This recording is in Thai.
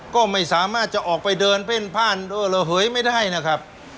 ก็ไม่สามารถจะออกไปเดินเพ่นพ่านเออระเหยไม่ได้นะครับ